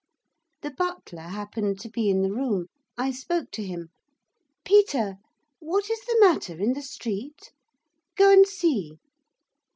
The butler happened to be in the room. I spoke to him. 'Peter, what is the matter in the street? Go and see.